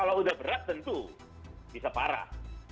kalau udah berat tentu bisa parah